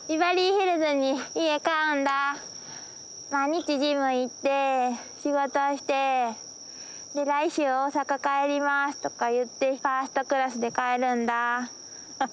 毎日ジム行って仕事して「来週大阪帰ります」とか言ってファーストクラスで帰るんだ。